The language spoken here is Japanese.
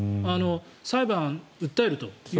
裁判、訴えると。